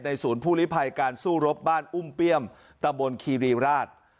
ศูนย์ผู้ลิภัยการสู้รบบ้านอุ้มเปี้ยมตะบนคีรีราช